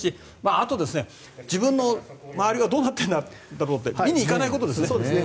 あと、自分の周りはどうなっているんだろうって見に行かないことですね。